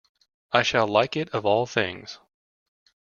I shall like it of all things.